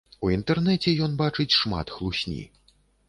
У інтэрнэце ён бачыць шмат хлусні.